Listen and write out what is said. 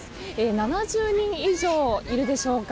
７０人以上いるでしょうか。